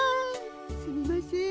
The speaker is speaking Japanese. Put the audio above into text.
すみません